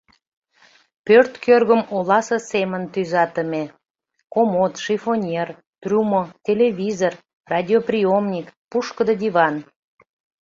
Пӧрт кӧргым оласе семын тӱзатыме; комод, шифоньер, трюмо, телевизор, радиоприёмник, пушкыдо диван.